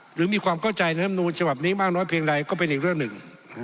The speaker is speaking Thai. หรือมีความเข้าใจในธรรมนูลฉบับนี้มากน้อยเพียงใดก็เป็นอีกเรื่องหนึ่ง